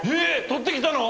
取ってきたの？